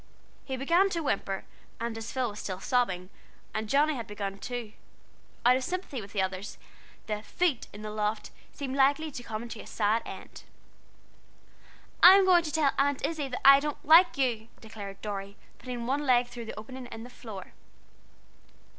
He began to whimper, and as Phil was still sobbing, and Johnnie had begun to sob too, out of sympathy with the others, the Feet in the Loft seemed likely to come to a sad end. "I'm goin' to tell Aunt Izzie that I don't like you," declared Dorry, putting one leg through the opening in the floor.